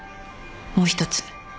もう一つ。